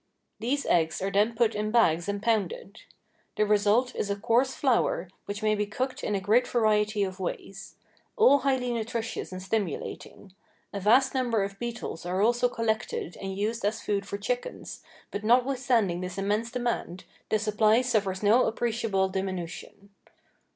These eggs are then put in bags and pounded. The result is a coarse flour, which may be cooked in a great variety of ways. All highly nutritious and stimulating. A vast number of beetles are also collected and used as food for chickens, but notwithstanding this immense demand, the supply suffers no appreciable diminution.